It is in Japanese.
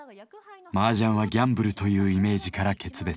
麻雀はギャンブルというイメージから決別。